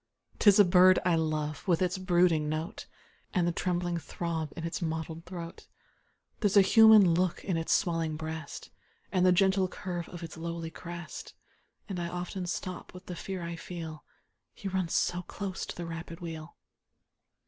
'Tis a bird I love, with its brooding note, And the trembling throb in its mottled throat ; There's a human look in its swellinor breast, And the gentle curve of its lowly crest ; And I often stop with the fear I feel — He runs so close to the rapid wheel.